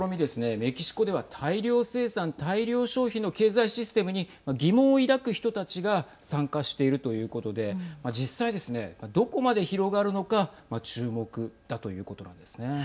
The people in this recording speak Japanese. メキシコでは大量生産・大量消費の経済システムに疑問を抱く人たちが参加しているということで実際ですね、どこまで広がるのかはい。